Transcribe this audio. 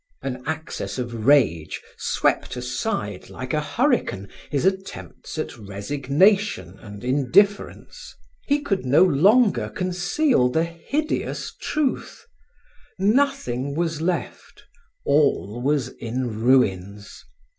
An access of rage swept aside, like a hurricane, his attempts at resignation and indifference. He could no longer conceal the hideous truth nothing was left, all was in ruins.